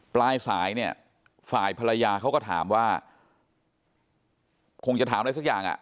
ปลายสายเนี่ยฝ่ายภรรยาเขาก็ถามว่าคงจะถามอะไรสักอย่างอ่ะ